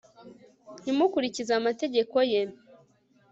ntimukurikize amategeko ye